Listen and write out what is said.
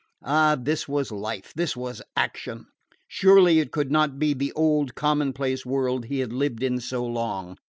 Ah, this was life! this was action! Surely it could not be the old, commonplace world he had lived in so long!